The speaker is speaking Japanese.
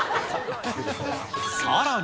さらに。